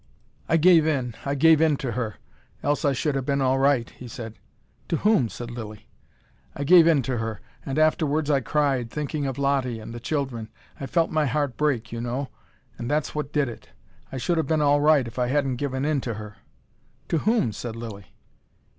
"I gave in, I gave in to her, else I should ha' been all right," he said. "To whom?" said Lilly. "I gave in to her and afterwards I cried, thinking of Lottie and the children. I felt my heart break, you know. And that's what did it. I should have been all right if I hadn't given in to her " "To whom?" said Lilly.